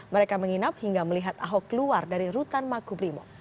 mereka menginap hingga melihat ahok keluar dari rutan makubrimo